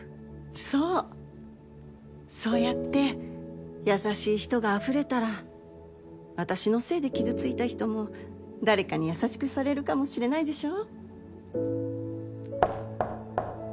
そうそうやって優しい人があふれたら私のせいで傷ついた人も誰かに優しくされるかもしれないでしょ